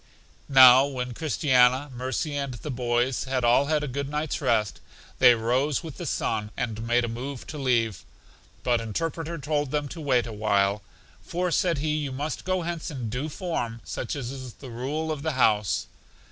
Now when Christiana, Mercy and the boys bad all had a good night's rest, they rose with the sun, and made a move to leave; but Interpreter told them to wait a while. For, said he, you must go hence in due form, such is the rule of the house.